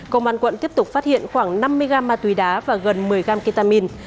công an quận tiếp tục phát hiện khoảng năm mươi gram ma túy đá và gần một mươi gram ketamin